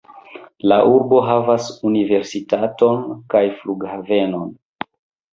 La urbo havas universitaton kaj flughavenon.